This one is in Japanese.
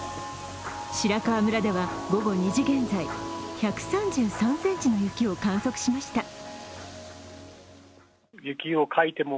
白川村では午後２時現在、１３３ｃｍの雪を観測しました。